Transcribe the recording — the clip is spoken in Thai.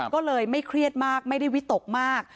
ก็เลยไม่เครียดมากไม่ได้วิตกมาก